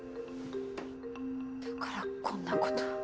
だからこんなことを。